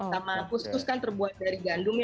sama kus kus kan terbuat dari gandum ya